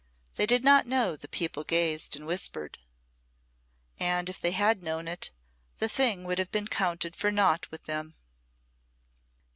They did not know the people gazed and whispered, and if they had known it, the thing would have counted for naught with them.